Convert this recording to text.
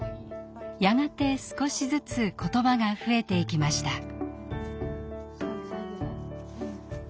やがて少しずつ言葉が増えていきました。